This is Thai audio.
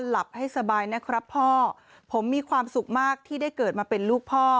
หลับให้สบายนะครับพ่อผมมีความสุขมากที่ได้เกิดมาเป็นลูกพ่อ